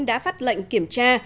đã phát lệnh kiểm tra